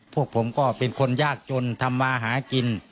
พวกผมก็เป็นคนยากจนทำมาหากิน